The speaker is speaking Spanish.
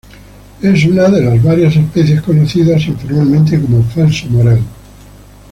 Es una de varias especies conocidas informalmente como "falso morel".